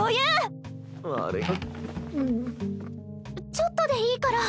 ちょっとでいいから。